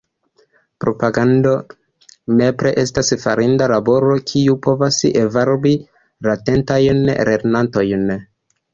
Propagandado nepre estas farinda laboro, kiu povas varbi latentajn lernantojn.